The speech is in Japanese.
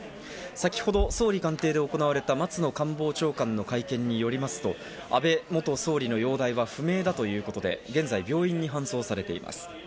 先ほど総理官邸で行われた松野官房長官の会見によりますと、安倍元総理の容体は不明だということで、現在、病院に搬送されています。